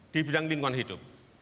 di bidang lingkungan hidup